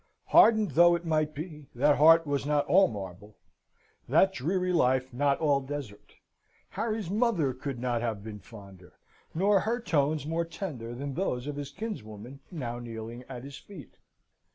Hardened though it might be, that heart was not all marble that dreary life not all desert. Harry's mother could not have been fonder, nor her tones more tender than those of his kinswoman now kneeling at his feet.